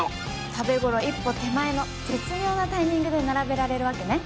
食べ頃一歩手前の絶妙なタイミングで並べられるわけね。